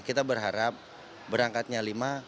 kita berharap berangkatnya lima